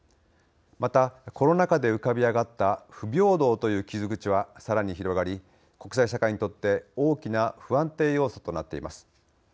また、コロナ禍で浮かび上がった不平等という傷口はさらに広がり国際社会にとって大きな不安定要素となっています。